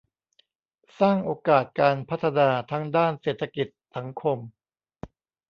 สร้างโอกาสการพัฒนาทั้งด้านเศรษฐกิจสังคม